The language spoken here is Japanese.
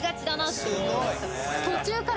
途中から。